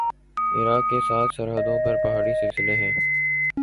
عراق کے ساتھ سرحدوں پر پہاڑی سلسلے ہیں